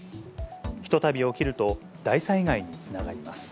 ひとたび起きると、大災害につながります。